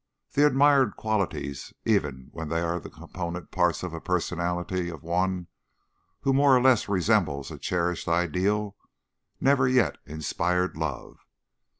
The admired qualities, even when they are the component parts of a personality of one who more or less resembles a cherished ideal, never yet inspired love.